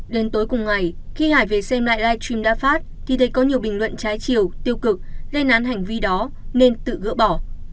đến tối cùng ngày khi hải về xem lại live stream đã phát thì thấy có nhiều bình luận trái chiều tiêu cực lên án hành vi đó nên tự gỡ bỏ